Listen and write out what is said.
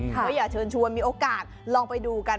ก็อยากเชิญชวนมีโอกาสลองไปดูกัน